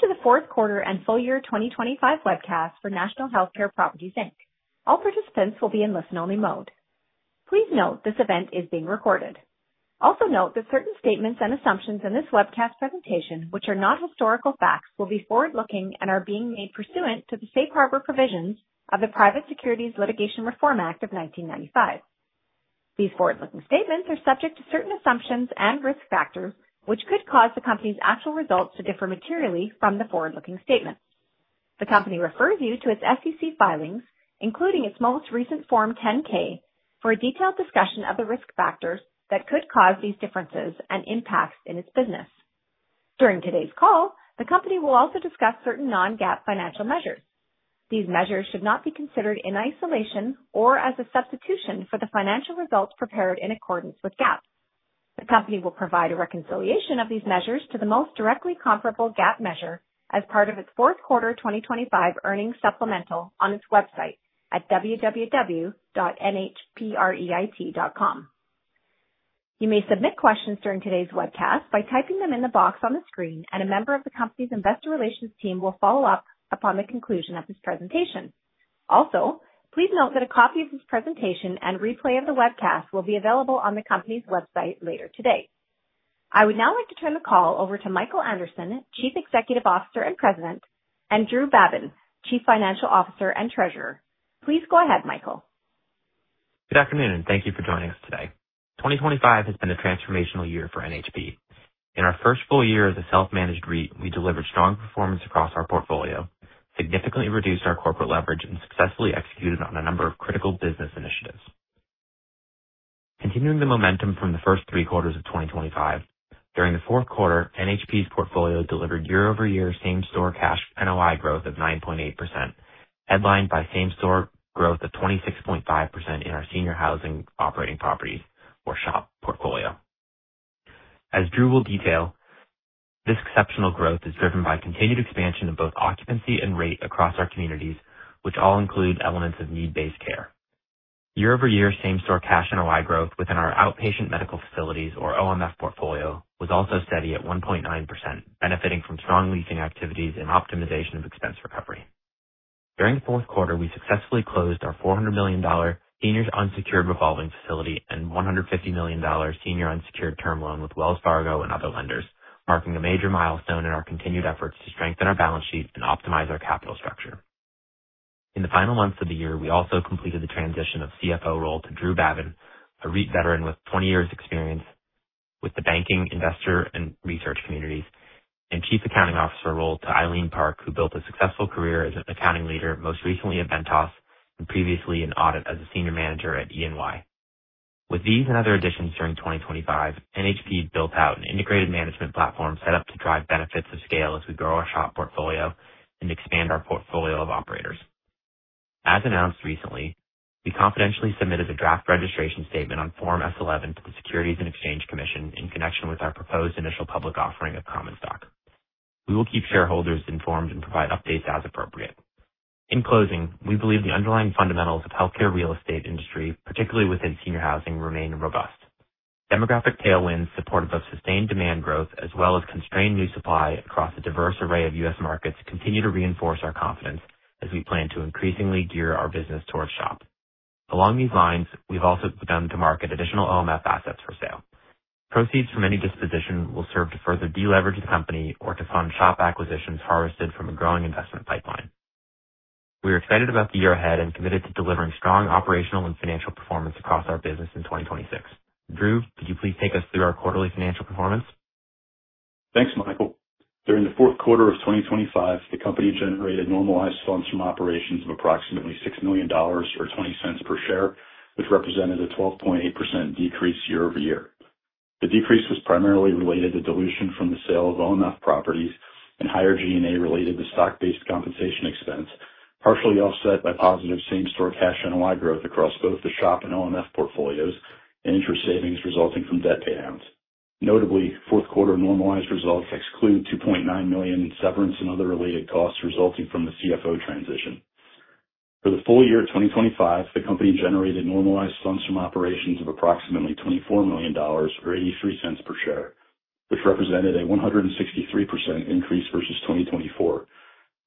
Welcome to the fourth quarter and full year 2025 webcast for National Healthcare Properties, Inc. All participants will be in listen-only mode. Please note this event is being recorded. Note that certain statements and assumptions in this webcast presentation, which are not historical facts, will be forward-looking and are being made pursuant to the safe harbor provisions of the Private Securities Litigation Reform Act of 1995. These forward-looking statements are subject to certain assumptions and risk factors, which could cause the company's actual results to differ materially from the forward-looking statements. The company refers you to its SEC filings, including its most recent Form 10-K for a detailed discussion of the risk factors that could cause these differences and impacts in its business. During today's call, the company will also discuss certain non-GAAP financial measures. These measures should not be considered in isolation or as a substitution for the financial results prepared in accordance with GAAP. The company will provide a reconciliation of these measures to the most directly comparable GAAP measure as part of its fourth quarter 2025 earnings supplemental on its website at www.nhpreit.com. You may submit questions during today's webcast by typing them in the box on the screen, and a member of the company's investor relations team will follow up upon the conclusion of this presentation. Also, please note that a copy of this presentation and replay of the webcast will be available on the company's website later today. I would now like to turn the call over to Michael Anderson, Chief Executive Officer and President, and Drew Babin, Chief Financial Officer and Treasurer. Please go ahead, Michael. Good afternoon. Thank you for joining us today. 2025 has been a transformational year for NHP. In our first full year as a self-managed REIT, we delivered strong performance across our portfolio, significantly reduced our corporate leverage, and successfully executed on a number of critical business initiatives. Continuing the momentum from the first three quarters of 2025, during the fourth quarter, NHP's portfolio delivered year-over-year same-store cash NOI growth of 9.8%, headlined by same-store growth of 26.5% in our senior housing operating properties, or SHOP portfolio. As Drew will detail, this exceptional growth is driven by continued expansion of both occupancy and rate across our communities, which all include elements of need-based care. Year-over-year same-store cash NOI growth within our outpatient medical facilities, or OMF portfolio, was also steady at 1.9%, benefiting from strong leasing activities and optimization of expense recovery. During the fourth quarter, we successfully closed our $400 million senior unsecured revolving facility and $150 million senior unsecured term loan with Wells Fargo and other lenders, marking a major milestone in our continued efforts to strengthen our balance sheet and optimize our capital structure. In the final months of the year, we also completed the transition of CFO role to Drew Babin, a REIT veteran with 20 years experience with the banking, investor, and research communities, and Chief Accounting Officer role to Ailin Park, who built a successful career as an accounting leader, most recently at Ventas and previously in audit as a senior manager at EY. With these and other additions during 2025, NHP built out an integrated management platform set up to drive benefits of scale as we grow our SHOP portfolio and expand our portfolio of operators. As announced recently, we confidentially submitted a draft registration statement on Form S-11 to the Securities and Exchange Commission in connection with our proposed initial public offering of common stock. We will keep shareholders informed and provide updates as appropriate. In closing, we believe the underlying fundamentals of healthcare real estate industry, particularly within senior housing, remain robust. Demographic tailwinds supportive of sustained demand growth as well as constrained new supply across a diverse array of U.S. markets continue to reinforce our confidence as we plan to increasingly gear our business towards SHOP. Along these lines, we've also begun to market additional OMF assets for sale. Proceeds from any disposition will serve to further deleverage the company or to fund SHOP acquisitions harvested from a growing investment pipeline. We are excited about the year ahead and committed to delivering strong operational and financial performance across our business in 2026. Drew, could you please take us through our quarterly financial performance? Thanks, Michael. During the fourth quarter of 2025, the company generated normalized funds from operations of approximately $6 million, or $0.20 per share, which represented a 12.8% decrease year-over-year. The decrease was primarily related to dilution from the sale of OMF properties and higher G&A related to stock-based compensation expense, partially offset by positive same-store cash NOI growth across both the SHOP and OMF portfolios and interest savings resulting from debt paydowns. Notably, fourth quarter normalized results exclude $2.9 million in severance and other related costs resulting from the CFO transition. For the full year 2025, the company generated normalized funds from operations of approximately $24 million, or $0.83 per share, which represented a 163% increase versus 2024.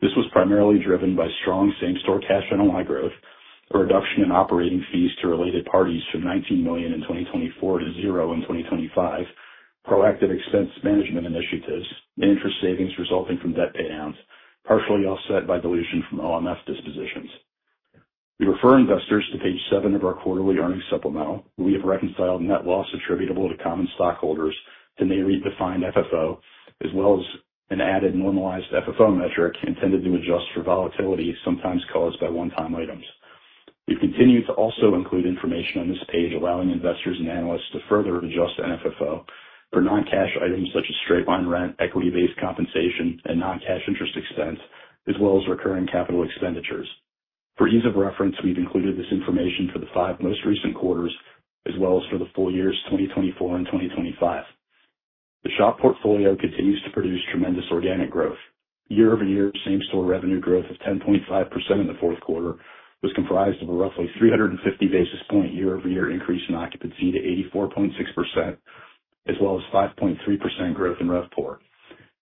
This was primarily driven by strong same-store cash NOI growth, a reduction in operating fees to related parties from $19 million in 2024 to zero in 2025, proactive expense management initiatives, and interest savings resulting from debt paydowns, partially offset by dilution from OMF dispositions. We refer investors to page seven of our quarterly earnings supplemental. We have reconciled net loss attributable to common stockholders to NAREIT-defined FFO, as well as an added normalized FFO metric intended to adjust for volatility sometimes caused by one-time items. We've continued to also include information on this page allowing investors and analysts to further adjust to FFO for non-cash items such as straight-line rent, equity-based compensation, and non-cash interest expense, as well as recurring capital expenditures. For ease of reference, we've included this information for the five most recent quarters as well as for the full years 2024 and 2025. The SHOP portfolio continues to produce tremendous organic growth. Year-over-year same-store revenue growth of 10.5% in the fourth quarter was comprised of a roughly 350 basis point year-over-year increase in occupancy to 84.6%, as well as 5.3% growth in RevPOR.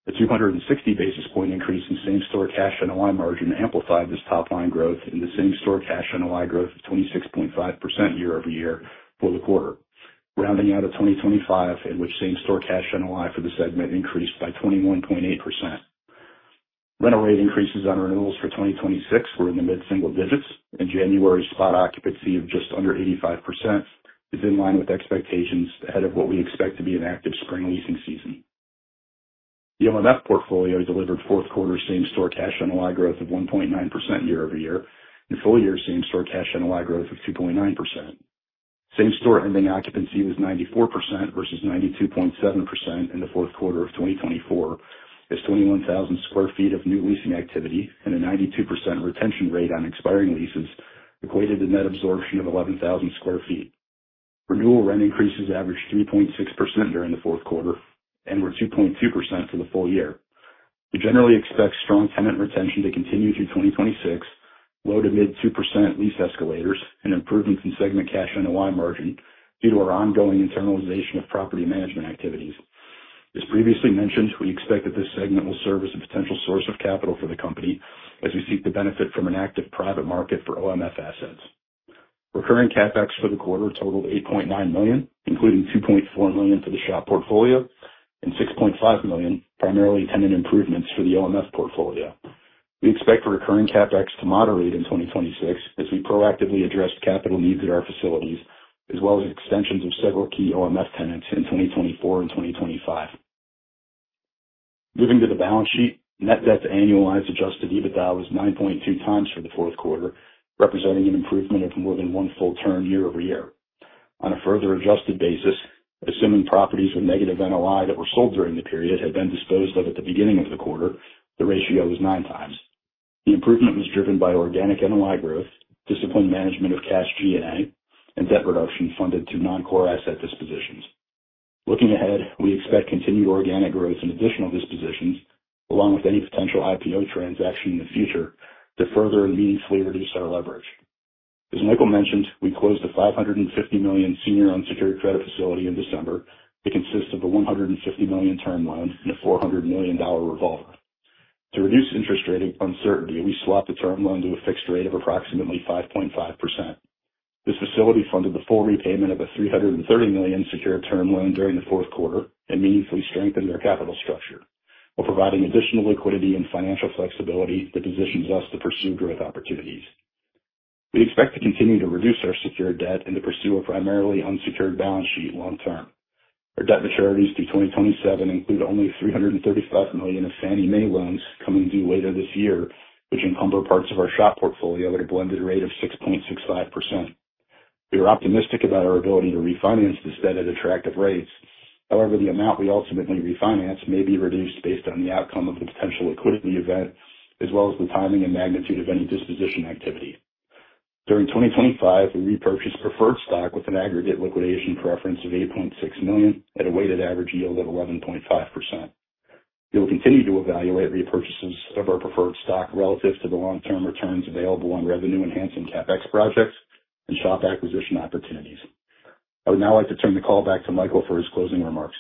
A 260 basis point increase in same-store cash NOI margin amplified this top-line growth into same-store cash NOI growth of 26.5% year-over-year for the quarter. Rounding out of 2025, in which same-store cash NOI for the segment increased by 21.8%. Rental rate increases on renewals for 2026 were in the mid-single digits, and January's spot occupancy of just under 85% is in line with expectations ahead of what we expect to be an active spring leasing season. The OMF portfolio delivered fourth quarter same-store cash NOI growth of 1.9% year-over-year and full-year same-store cash NOI growth of 2.9%. Same-store ending occupancy was 94% versus 92.7% in the fourth quarter of 2024, as 21,000 sq ft of new leasing activity and a 92% retention rate on expiring leases equated to net absorption of 11,000 sq ft. Renewal rent increases averaged 3.6% during the fourth quarter and were 2.2% for the full year. We generally expect strong tenant retention to continue through 2026, low to mid-two percent lease escalators and improvements in segment cash NOI margin due to our ongoing internalization of property management activities. As previously mentioned, we expect that this segment will serve as a potential source of capital for the company as we seek to benefit from an active private market for OMF assets. Recurring CapEx for the quarter totaled $8.9 million, including $2.4 million for the SHOP portfolio and $6.5 million, primarily tenant improvements for the OMF portfolio. We expect recurring CapEx to moderate in 2026 as we proactively address capital needs at our facilities as well as extensions of several key OMF tenants in 2024 and 2025. Moving to the balance sheet, net debt to annualized adjusted EBITDA was 9.2 times for the fourth quarter, representing an improvement of more than one full turn year-over-year. On a further adjusted basis, assuming properties with negative NOI that were sold during the period had been disposed of at the beginning of the quarter, the ratio was nine times. The improvement was driven by organic NOI growth, disciplined management of cash G&A, and debt reduction funded through non-core asset dispositions. Looking ahead, we expect continued organic growth and additional dispositions, along with any potential IPO transaction in the future to further and meaningfully reduce our leverage. As Michael mentioned, we closed a $550 million senior unsecured credit facility in December. It consists of a $150 million term loan and a $400 million revolver. To reduce interest rate uncertainty, we swapped the term loan to a fixed rate of approximately 5.5%. This facility funded the full repayment of a $330 million secured term loan during the fourth quarter and meaningfully strengthened our capital structure while providing additional liquidity and financial flexibility that positions us to pursue growth opportunities. We expect to continue to reduce our secured debt and to pursue a primarily unsecured balance sheet long term. Our debt maturities through 2027 include only $335 million of Fannie Mae loans coming due later this year, which encumber parts of our SHOP portfolio at a blended rate of 6.65%. We are optimistic about our ability to refinance this debt at attractive rates. However, the amount we ultimately refinance may be reduced based on the outcome of the potential liquidity event as well as the timing and magnitude of any disposition activity. During 2025, we repurchased preferred stock with an aggregate liquidation preference of $8.6 million at a weighted average yield of 11.5%. We will continue to evaluate repurchases of our preferred stock relative to the long-term returns available on revenue-enhancing CapEx projects and SHOP acquisition opportunities. I would now like to turn the call back to Michael for his closing remarks.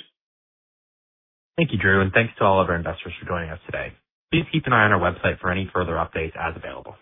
Thank you, Drew. Thanks to all of our investors for joining us today. Please keep an eye on our website for any further updates as available.